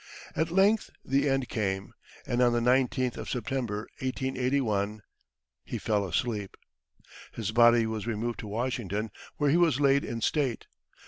At length the end came, and on the 19th of September 1881 he fell asleep. His body was removed to Washington, where he was laid in state.